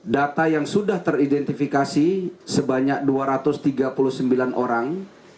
data yang sudah teridentifikasi sebanyak dua ratus tiga puluh sembilan orang